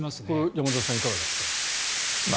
山添さん、いかがですか。